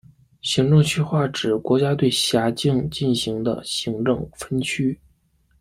行政区划指国家对辖境进行的行政分区。